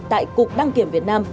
tại cục đăng kiểm việt nam